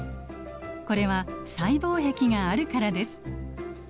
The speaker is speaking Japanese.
これは細胞壁があるからです。